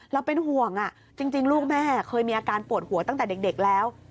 แล้วเป็นห่วงจริงลูกแม่เคยมีอาการปวดหัวตั้งแต่เด็กแล้ว